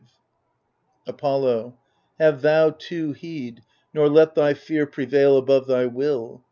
THE FURIES 141 Apollo Have thou too heed, nor let thy fear prevail Above thy will.